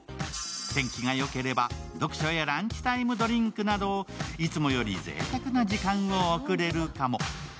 天気がよければ読書やランチタイムドリンクなど、いつもよりぜいたくな時間を送れるかも。